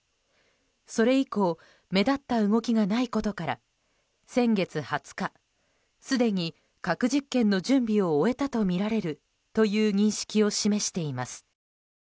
それ以降目立った動きがないことから先月２０日すでに核実験の準備を終えたとみられるという認識を示しています。